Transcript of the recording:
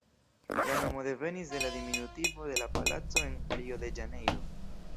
La nomo devenis de la diminutivo de la palaco en Rio-de-Ĵanejro.